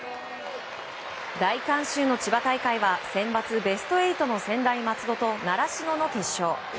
大観衆の千葉大会はセンバツベスト８の専大松戸と習志野の決勝。